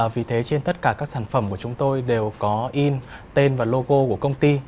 vì thế trên tất cả các sản phẩm của chúng tôi đều có in tên và logo của công ty